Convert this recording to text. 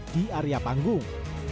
di area panggung